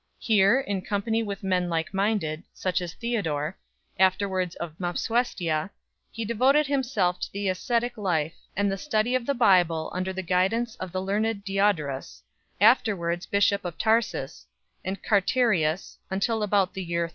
Here, in company with men like minded, such as Theodore, afterwards of Mopsuestia, he devoted himself to the ascetic life and the study of the Bible under the guidance of the learned Diodorus, after wards bishop of Tarsus, and Carterius 2 , until about the year 380.